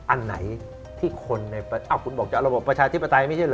อันไหนที่คนในคุณบอกจะเอาระบบประชาธิปไตยไม่ใช่เหรอ